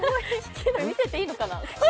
見せていいのかな。